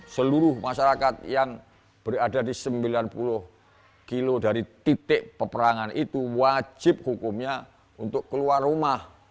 seluruh masyarakat yang berada di sembilan puluh kilo dari titik peperangan itu wajib hukumnya untuk keluar rumah